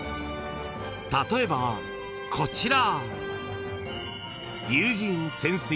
［例えばこちら］